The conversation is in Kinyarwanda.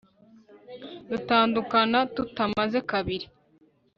dutandukana tutamaze kabiri